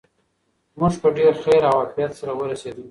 موږ په ډېر خیر او عافیت سره ورسېدو.